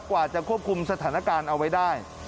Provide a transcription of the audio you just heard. กว่าจะควบคุมสถานการณ์เอาไว้ได้